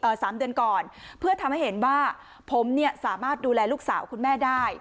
สามเดือนก่อนเพื่อทำให้เห็นว่าผมเนี่ยสามารถดูแลลูกสาวคุณแม่ได้